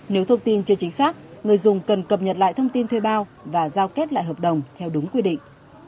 nếu thông tin chưa chính xác người dùng cần cập nhật lại thông tin thuê bao và giao kết lại hợp đồng theo đúng quy định